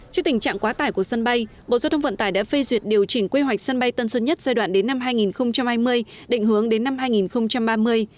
trước tình trạng quá tải của sân bay bộ giao thông vận tải đã phê duyệt điều chỉnh quy hoạch sân bay tân sơn nhất giai đoạn đến năm hai nghìn hai mươi định hướng đến năm hai nghìn ba mươi